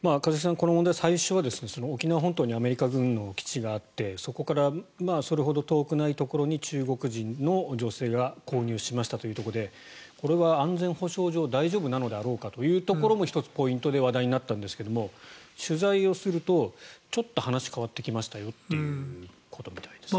この問題、最初は沖縄本島にアメリカ軍の基地があってそこからそれほど遠くないところを中国人の女性が購入しましたというところでこれは安全保障上大丈夫なのであろうかというところも１つポイントで話題になったんですが取材をするとちょっと話が変わってきましたよということみたいですね。